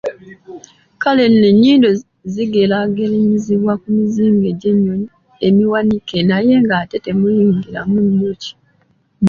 Kale nno ennyindo zigeraageranyizibwa ku mizinga gy’enjoki emiwanike naye ng’ate temuyingiramu njoki.